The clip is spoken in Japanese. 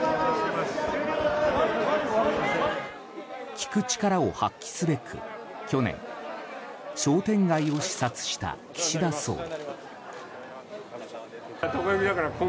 聞く力を発揮すべく、去年商店街を視察した岸田総理。